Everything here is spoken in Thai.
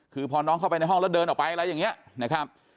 คือพอน้องเข้าไปในห้องแล้วเดินออกไปอะไรอย่างนี้นะครับ